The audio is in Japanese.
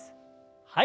はい。